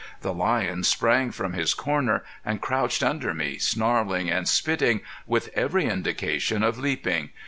The lion sprang from his corner and crouched under me snarling and spitting, with every indication of leaping.